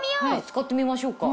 使ってみましょうか。